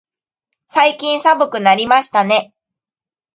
最近寒くなりましたね。